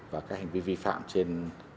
và các hành vi vi phạm trên